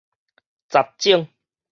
雜種